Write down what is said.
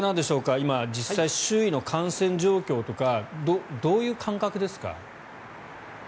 今、実際、周囲の感染状況とかどういう感覚ですか？